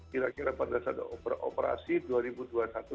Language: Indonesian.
kira kira pada saat operasi dua ribu dua puluh satu dua ratus ribu